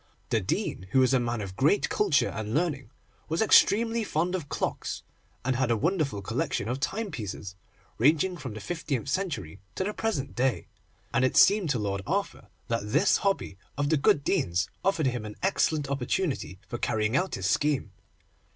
The Dean, who was a man of great culture and learning, was extremely fond of clocks, and had a wonderful collection of timepieces, ranging from the fifteenth century to the present day, and it seemed to Lord Arthur that this hobby of the good Dean's offered him an excellent opportunity for carrying out his scheme.